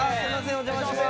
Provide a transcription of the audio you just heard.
お邪魔します